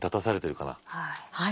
はい。